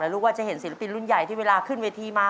ลูกก็จะเห็นศิลปินรุ่นใหญ่ที่เวลาขึ้นเวทีมา